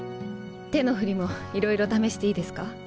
手の振りもいろいろ試していいですか？